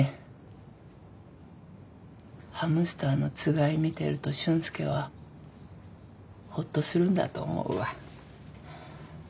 ハムスターのつがい見てると俊介はほっとするんだと思うわ。